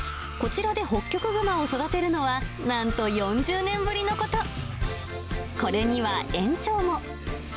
こちらでホッキョクグマを育てるのは、なんと４０年ぶりのこと。